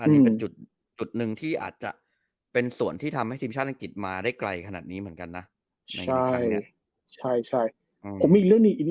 เสื้อแข่งทีมชาติอังกฤษอะครับขาดตลาด